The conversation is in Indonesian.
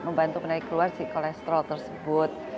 membantu menarik keluar kolesterol tersebut